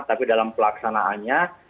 tapi dalam pelaksanaannya